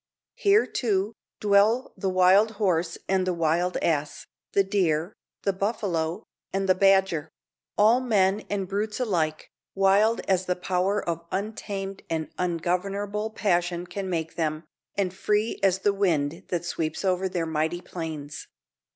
Here, too, dwell the wild horse and the wild ass, the deer, the buffalo, and the badger; all, men and brutes alike, wild as the power of untamed and ungovernable passion can make them, and free as the wind that sweeps over their mighty plains.